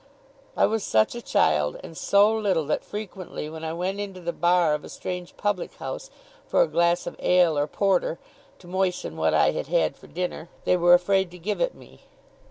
I was such a child, and so little, that frequently when I went into the bar of a strange public house for a glass of ale or porter, to moisten what I had had for dinner, they were afraid to give it me.